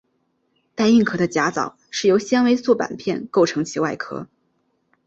带硬壳的甲藻是由纤维素板片构成其外壳。